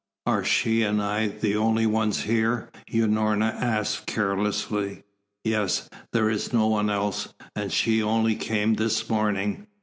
"Are she and I the only ones here?" Unorna asked carelessly. "Yes. There is no one else, and she only came this morning.